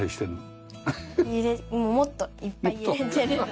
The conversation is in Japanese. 揺れもっといっぱい揺れてる。